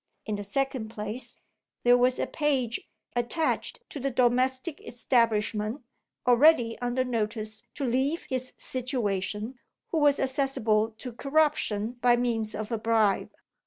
In the second place, there was a page attached to the domestic establishment (already under notice to leave his situation), who was accessible to corruption by means of a bribe.